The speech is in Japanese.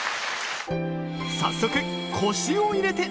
早速「腰を入れて」